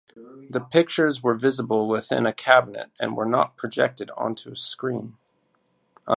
The pictures were visible within a cabinet, and were not projected onto a screen.